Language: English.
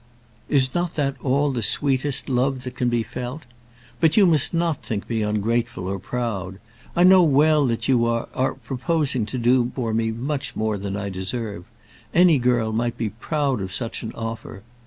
"Is not that all the sweetest love that can be felt? But you must not think me ungrateful, or proud. I know well that you are are proposing to do for me much more than I deserve. Any girl might be proud of such an offer.